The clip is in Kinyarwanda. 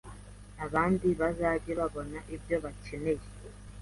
abandi bazage babona ibyo bakeneye